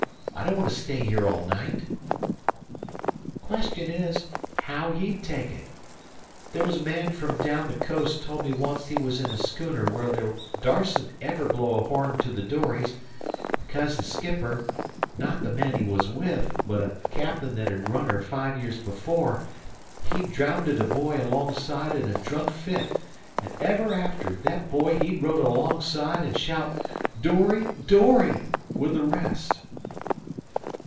"I don't want to stay here all night" "Question is, haow he'd take it. There was a man frum down the coast told me once he was in a schooner where they darsen't ever blow a horn to the dories, becaze the skipper not the man he was with, but a captain that had run her five years before he'd drowned a boy alongside in a drunk fit; an' ever after, that boy he'd row along side too and shout, 'Dory! dory!' with the rest."